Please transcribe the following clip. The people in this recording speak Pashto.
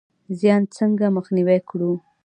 زیان څنګه مخنیوی کړو؟